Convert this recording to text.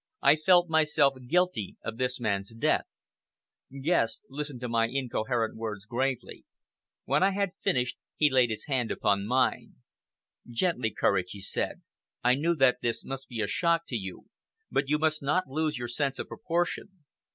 I felt myself guilty of this man's death. Guest listened to my incoherent words gravely. When I had finished he laid his hand upon nine. "Gently, Courage," he said. "I knew that this must be a shock to you, but you must not lose your sense of proportion.